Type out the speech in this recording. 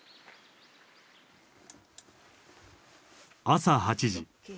朝８時。